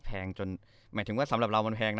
แพงจนหมายถึงว่าสำหรับเรามันแพงนะ